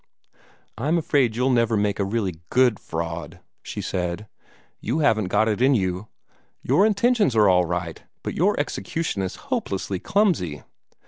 "I'm afraid you'll never make a really GOOD fraud," she said. "You haven't got it in you. Your intentions are all right, but your execution is hopelessly clumsy.